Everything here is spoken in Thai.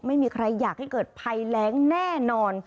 ไม่มีใครอยากให้เกิดภัยแรงแน่นอน